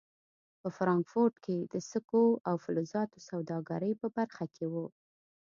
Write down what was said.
په فرانکفورټ کې د سکو او فلزاتو سوداګرۍ په برخه کې و.